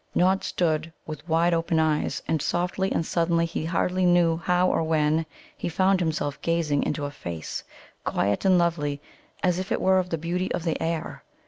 Nod stood with wide open eyes. And softly and suddenly, he hardly knew how or when, he found himself gazing into a face, quiet and lovely, and as it were of the beauty of the air.